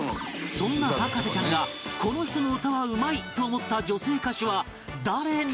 そんな博士ちゃんがこの人の歌はうまい！と思った女性歌手は誰なのか？